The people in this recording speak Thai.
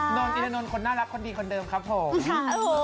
นนอินรนนท์คนน่ารักคนดีคนเดิมครับผม